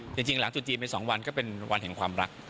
จริงหลังจุดจีนไป๒วันก็เป็นวันแห่งความรัก